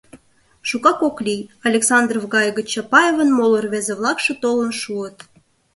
Шукак ок лий, Александров-Гай гыч Чапаевын моло рвезе-влакше толын шуыт.